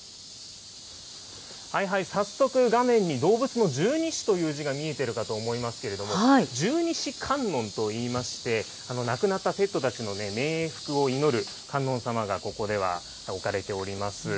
早速、画面に動物の十二支という字が見えているかと思いますけれども、十二支観音といいまして、亡くなったペットたちの冥福を祈る観音様がここでは置かれております。